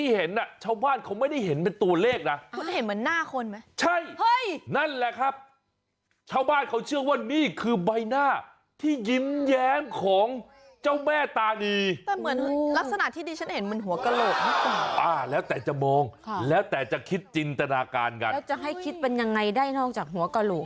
เหนือหัวกล่าลูกแน่ล่ะค่ะ